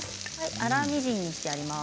粗みじんにしてあります。